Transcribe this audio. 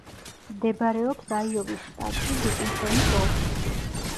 მდებარეობს აიოვის შტატში, დიკინსონის ოლქში.